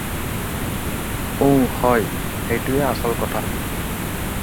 ওঁ... হয়, সেইটোৱেই আচল কথা।